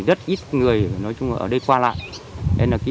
rất ít người ở đây qua lại